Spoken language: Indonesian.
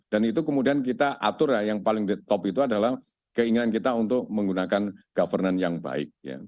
dan itu kemudian kita atur yang paling di top itu adalah keinginan kita untuk menggunakan governance yang baik